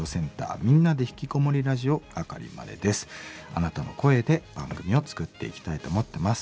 あなたの声で番組を作っていきたいと思ってます。